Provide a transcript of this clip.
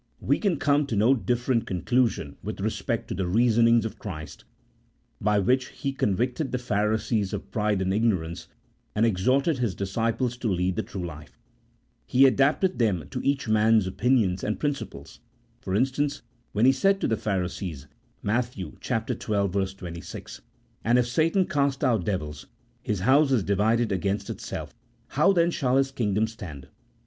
"We can come to no different conclusion with respect to the reasonings of Christ, by which He convicted the Phari sees of pride and ignorance, and exhorted His disciples to lead the true life. He adapted them to each man's opinions and principles. For instance, when He said to the Phari sees (Matt. xii. 26), "And if Satan cast out devils, his house is divided against itself, how then shall his kingdom stand?"